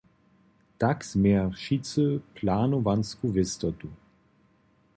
Tak změja wšitcy planowansku wěstotu.